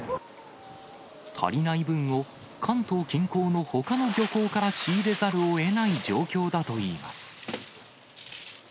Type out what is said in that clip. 足りない分を、関東近郊のほかの漁港から仕入れざるをえない状況だといいます。